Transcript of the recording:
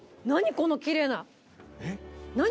このきれいな。